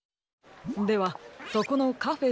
ではそこのカフェ